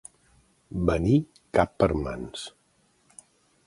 Venir cap per mans.